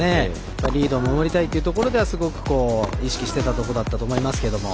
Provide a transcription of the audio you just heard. リードを守りたいというところですごく意識してたと思いますけど。